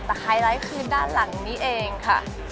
แต่ไฮไลท์คือด้านหลังนี้เองค่ะ